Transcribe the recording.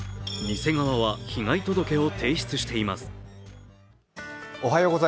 店側は被害届を提出しています。